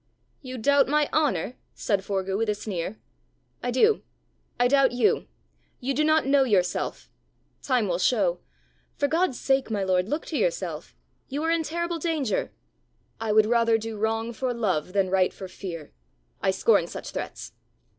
"You doubt my honour?" said Forgue with a sneer. "I do. I doubt you. You do not know yourself. Time will show. For God's sake, my lord, look to yourself! You are in terrible danger." "I would rather do wrong for love than right for fear. I scorn such threats."